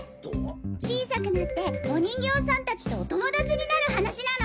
小さくなってお人形さん達とお友達になる話なの！